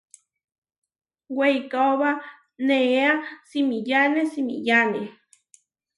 Weikaóba neéa simiyáne simiyáne.